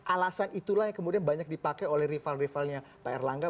alasan itulah yang kemudian banyak dipakai oleh rival rivalnya pak erlangga